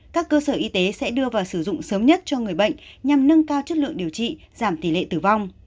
các cơ sở y tế sẽ đưa vào sử dụng sớm nhất cho người bệnh nhằm nâng cao chất lượng điều trị giảm tỷ lệ tử vong